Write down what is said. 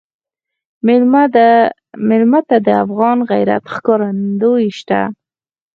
مېلمه ته د افغان غیرت ښکارندوی شه.